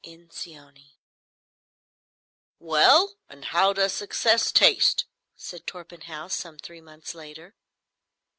—In Seonee. "Well, and how does success taste?" said Torpenhow, some three months later.